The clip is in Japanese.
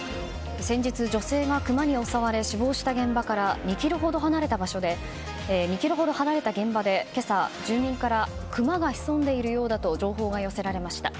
先日、女性がクマに襲われ死亡した現場から２ｋｍほど離れた現場で今朝、住民からクマが潜んでいるようだと情報が寄せられました。